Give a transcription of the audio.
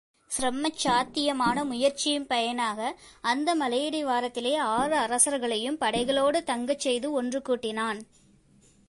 சிரம சாத்தியமான முயற்சியின் பயனாக அந்த மலையடி வாரத்திலேயே ஆறு அரசர்களையும் படைகளோடு தங்கச் செய்து ஒன்று கூட்டினான்.